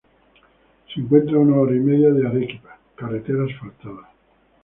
Se encuentra a una hora y media de Arequipa, carretera asfaltada.